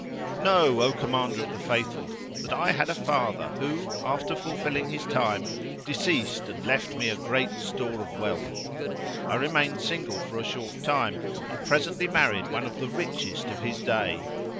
Know, O Commander of the Faithful, that I had a father who, after fulfilling his time, deceased and left me great store of wealth. I remained single for a short time and presently married one of the richest of his day.